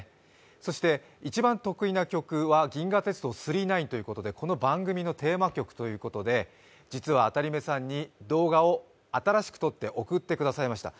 そして一番得意な曲は「銀河鉄道９９９」ということでこの番組のテーマ曲ということで実はあたりめさんに動画が新しく撮って送ってくださいました。